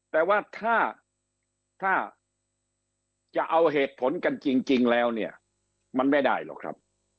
แต่ว่าถ้าจะเอาเหตุผลกันจริงแล้วเนี่ยมันไม่ได้หรอกครับ